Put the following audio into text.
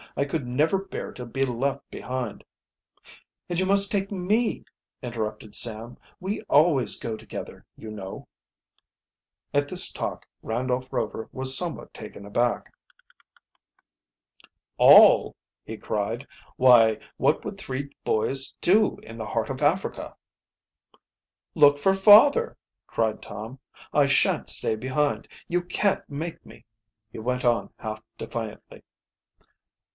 "I could never bear to be left behind." "And you must take me," interrupted Sam. "We always go together, you know." At this talk Randolph Rover was somewhat taken aback. "All!" he cried. "Why, what would three boys do in the heart of Africa?" "Look for father!" cried Tom. "I shan't stay behind you can't make me!" he went on half defiantly.